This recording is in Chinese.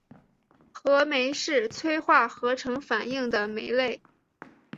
合酶是催化合成反应的酶类。